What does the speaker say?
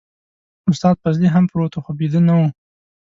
استاد فضلي هم پروت و خو بيده نه و.